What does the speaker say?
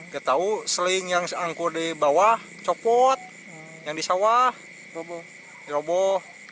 kita tahu seling yang angkor di bawah copot yang di sawah roboh